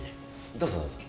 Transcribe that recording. どうぞどうぞ。